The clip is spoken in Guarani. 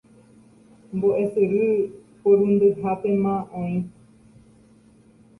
mbo'esyry porundyhápema oĩ.